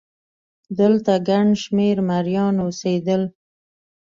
دلته ګڼ شمېر مریان اوسېدل